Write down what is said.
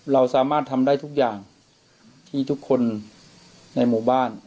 เราสามารถทำได้ทุกอย่างที่ทุกคนในหมู่บ้าน